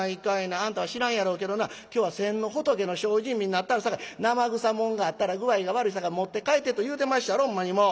あんたは知らんやろうけどな今日は先の仏の精進日になったるさかい生臭もんがあったら具合が悪いさかい持って帰ってと言うてまっしゃろほんまにもう。